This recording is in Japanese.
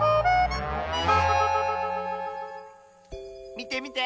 みてみて！